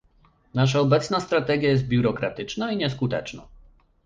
Nasza obecna strategia jest biurokratyczna i nieskuteczna